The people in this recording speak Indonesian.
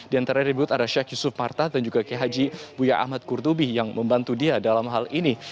di antara ribut ada sheikh yusuf marta dan juga khg buya ahmad qurtubi yang membantu dia dalam hal ini